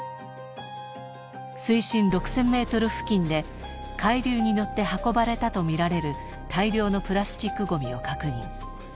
水深６０００メートル付近で海流に乗って運ばれたとみられる大量のプラスチックごみを確認。